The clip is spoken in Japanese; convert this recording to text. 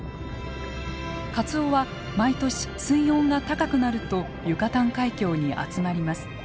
カツオは毎年水温が高くなるとユカタン海峡に集まります。